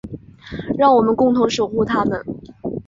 让我们共同守护她们。